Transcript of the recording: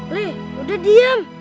leh udah diem